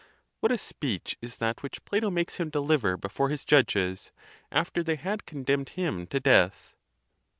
What a speech is that which Plato makes him deliver before his judges, after they had condemned him to death!